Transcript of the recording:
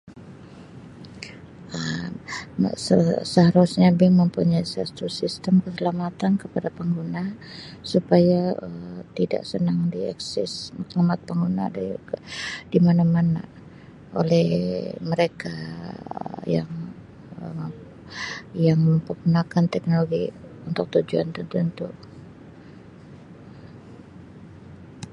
Um Seharusnya bank mempunyai satu sistem keselamatan kepada pengguna supaya Um tidak senang di akses maklumat pengguna di di mana-mana oleh mereka yang me yang mempergunakan teknologi untuk tujuan tertentu.